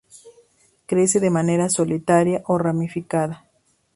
Crece de manera solitaria o ramificada.